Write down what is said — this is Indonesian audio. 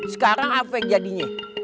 sekarang apa jadinya